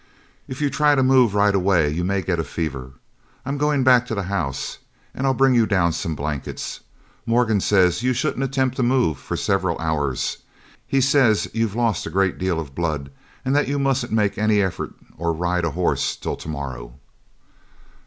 "If you try to move right away you may get a fever. I'm going back to the house, and I'll bring you down some blankets. Morgan says you shouldn't attempt to move for several hours. He says you've lost a great deal of blood and that you mustn't make any effort or ride a horse till tomorrow."